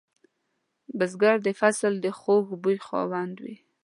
بزګر د فصل د خوږ بوی خاوند وي